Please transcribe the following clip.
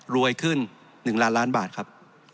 รวยขึ้น๑ล้านล้านบาทครับ